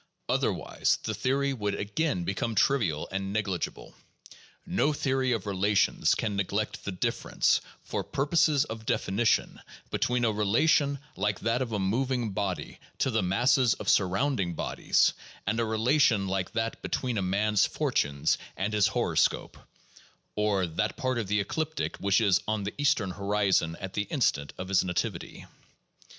Otherwise, the theory would again become trivial and negligible. No theory of relations can neglect the difference, for purposes of definition, between a relation like that of a moving body to the masses of surrounding bodies, and a relation like that between a man's fortunes and his horoscope (or, "that part of the ecliptic which is on the eastern horizon at the in stant of his nativity").